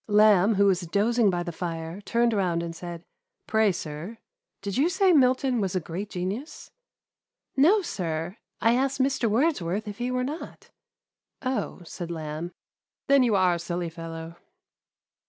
Lamb, who was dozing by the fire, turned round and said, " Pray, sir, did you say Milton was a great genius ?"" No, sir, I asked Mr. Wordsworth if he were not. Oh,'* said Lamb, *• then you are a silly fellow.'